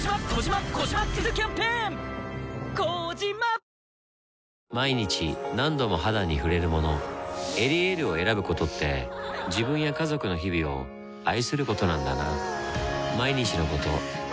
ニトリ毎日何度も肌に触れるもの「エリエール」を選ぶことって自分や家族の日々を愛することなんだなぁ